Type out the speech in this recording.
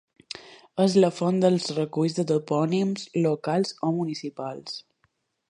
És la font dels reculls de topònims locals o municipals.